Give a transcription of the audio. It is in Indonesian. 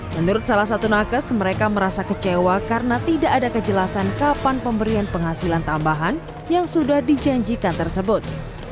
menurut salah satu nakes mereka merasa kecewa karena tidak ada kejelasan kapan pemberian penghasilan tambahan yang sudah dijanjikan tersebut